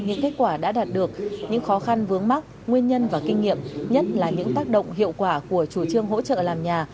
những kết quả đã đạt được những khó khăn vướng mắt nguyên nhân và kinh nghiệm nhất là những tác động hiệu quả của chủ trương hỗ trợ làm nhà